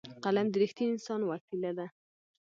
قلم د رښتیني انسان وسېله ده